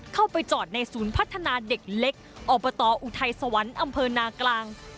เข้าไปจอดในศูนย์พัฒนาเด็กเล็กอบตออุทัยสวรรค์อำเภอนากลาง